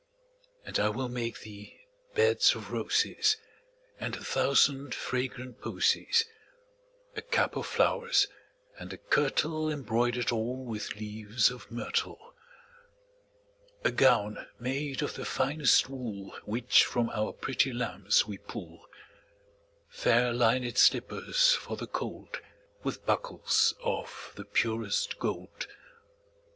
And I will make thee beds of roses And a thousand fragrant posies; 10 A cap of flowers, and a kirtle Embroider'd all with leaves of myrtle. A gown made of the finest wool Which from our pretty lambs we pull; Fair linèd slippers for the cold, 15 With buckles of the purest gold.